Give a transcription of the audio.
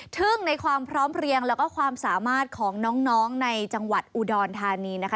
ในความพร้อมเพลียงแล้วก็ความสามารถของน้องในจังหวัดอุดรธานีนะคะ